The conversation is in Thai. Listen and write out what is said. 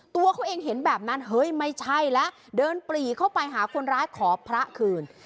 ตัวเขาเองเห็นแบบนั้นเฮ้ยไม่ใช่แล้วเดินปลีเข้าไปหาคนร้ายขอพระคืน